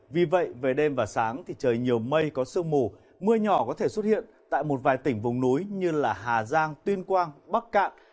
vì vậy về đêm và sáng thì trời nhiều mây có sương mù mưa nhỏ có thể xuất hiện tại một vài tỉnh vùng núi như hà giang tuyên quang bắc cạn